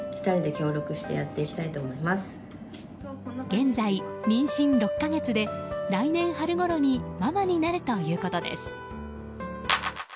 現在、妊娠６か月で来年春ごろにママになるということです。